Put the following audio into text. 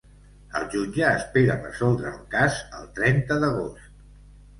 El jutge espera resoldre el cas el trenta d’agost.